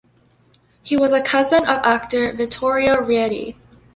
He was a cousin of actor Vittorio Rietti.